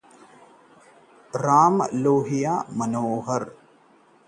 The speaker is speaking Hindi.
राम मनोहर लोहिया अस्पताल में नौकरी